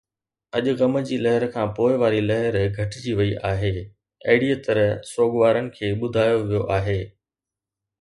اڄ غم جي لهر کان پوءِ واري لهر گهٽجي وئي آهي، اهڙيءَ طرح سوڳوارن کي ٻڌايو ويو آهي